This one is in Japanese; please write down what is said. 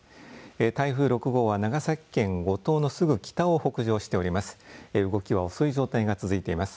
台風６号は長崎県五島のすぐ北を北上しております。